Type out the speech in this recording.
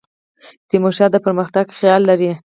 تیمور شاه د پرمختګ خیال لري.